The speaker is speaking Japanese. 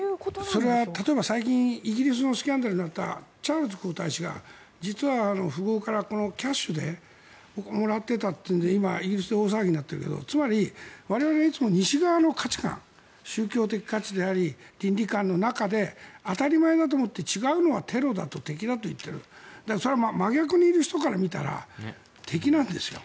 それは例えば最近イギリスのスキャンダルだったチャールズ皇太子が実は富豪からキャッシュでもらってたというので今、イギリスで大騒ぎになっているけどつまり、我々はいつも西側の価値観宗教的価値であり倫理観の中で当たり前だと思って違うのはテロだと敵だと言っているそれは真逆にいる人から見たら敵なんです。